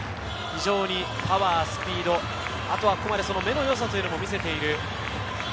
非常にパワー、スピード、あとは目の良さというのも見せている。